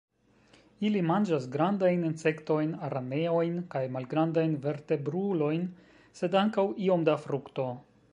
Ili manĝas grandajn insektojn, araneojn kaj malgrandajn vertebrulojn, sed ankaŭ iom da frukto.